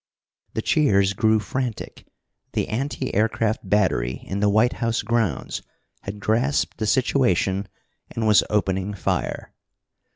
The cheers grew frantic. The anti aircraft battery in the White House grounds had grasped the situation, and was opening fire.